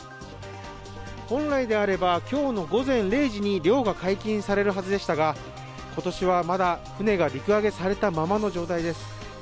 本来であれば今日の午前０時に漁が解禁されるはずでしたが今年はまだ船が陸揚げされたままの状態です。